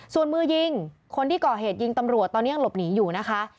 ส่วนมือยิงคนที่ก่อเหตุยิงตำรวจตอนนี้ยังหลบหนีอยู่นะคะ